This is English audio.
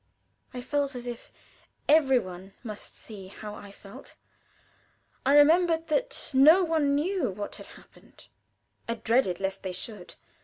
I felt as if every one must see how I felt. I remembered that no one knew what had happened; I dreaded lest they should.